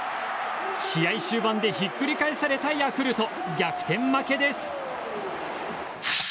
試合終盤でひっくり返されたヤクルト逆転負けです。